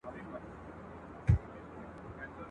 په ځنګله کي ګرځېدمه ستړی پلی !.